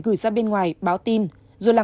gửi ra bên ngoài báo tin rồi làm